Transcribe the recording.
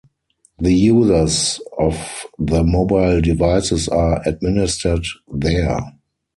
The users of the mobile devices are administered there.